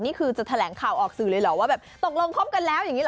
นี่คือจะแถลงข่าวออกสื่อเลยเหรอว่าแบบตกลงคบกันแล้วอย่างนี้เห